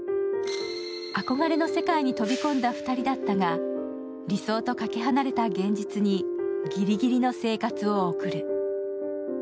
憧れの世界に飛び込んだ２人だったが、理想とかけ離れた現実にギリギリの生活を送る。